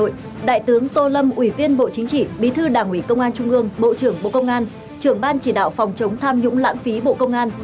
hôm một mươi hai tại hà nội đại tướng tô lâm ủy viên bộ chính trị bí thư đảng ủy công an trung ương bộ trưởng bộ công an trưởng ban chỉ đạo phòng chống tham nhũng lãng phí bộ công an